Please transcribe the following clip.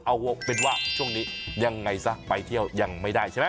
เอาเป็นว่าช่วงนี้ยังไงซะไปเที่ยวยังไม่ได้ใช่ไหม